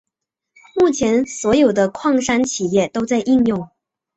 目前所有的矿山企业都在应用。